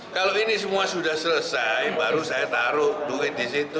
kalau ini semua sudah selesai baru saya taruh duit di situ